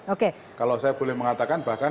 oke kalau saya boleh mengatakan bahkan